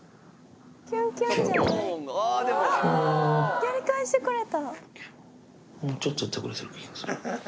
やり返してくれた。